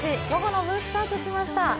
午後の部、スタートしました。